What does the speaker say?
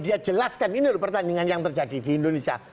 dia jelaskan ini loh pertandingan yang terjadi di indonesia